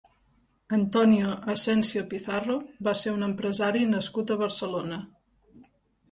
Antonio Asensio Pizarro va ser un empresari nascut a Barcelona.